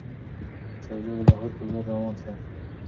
شاه شجاع د لاهور په لور روان شو.